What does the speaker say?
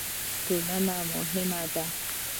ټولنه مهمه ده.